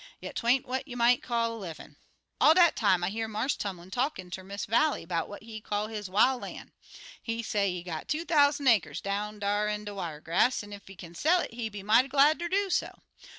Yit 'twa'n't what you may call livin'. "All dat time, I hear Marse Tumlin talkin' ter Miss Vallie 'bout what he call his wil' lan'. He say he got two thousan' acres down dar in de wiregrass, an' ef he kin sell it, he be mighty glad ter do so.